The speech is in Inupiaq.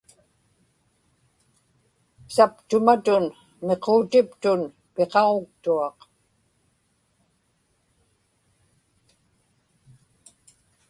saptumatun miquutiptun piqaġuktuaq